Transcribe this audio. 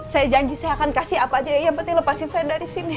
saya janji saya akan kasih apa aja ya berarti lepasin saya dari sini